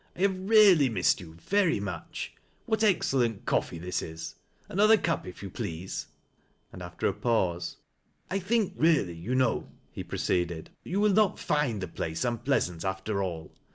" I have really missed yoi very much. What excellent coffee this is !— another cup if you please." And, after a pause, "I think really, you knew," he ]" roceeded, " tLnt yoi TEE RBVBBEND HAROLD BAUHL LM. 3] wiJ not find the place unpleasant, after all.